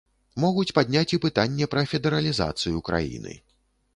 Могуць падняць і пытанне пра федэралізацыю краіны.